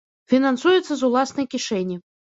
Фінансуецца з уласнай кішэні.